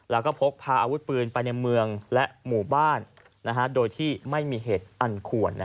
แล้วก็พกพาอาวุธปืนไปในเมืองและหมู่บ้านโดยที่ไม่มีเหตุอันควร